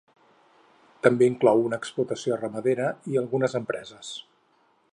També inclou una explotació ramadera i algunes empreses.